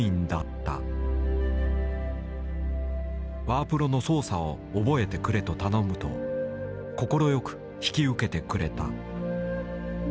ワープロの操作を覚えてくれと頼むと快く引き受けてくれた。